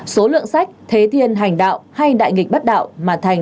số lượng sách thế thiên hành đạo hay đại nghịch bất đạo